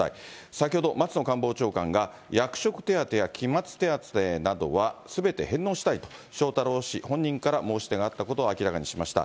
先ほど、松野官房長官が、役職手当や期末手当などはすべて返納したいと、翔太郎氏本人から申し出があったことを明らかにしました。